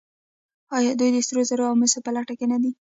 آیا دوی د سرو زرو او مسو په لټه نه دي؟